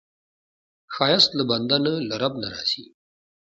ښایست له بنده نه، له رب نه راځي